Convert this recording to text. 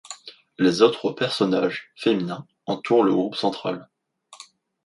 Les autres personnages féminins entourent le groupe central.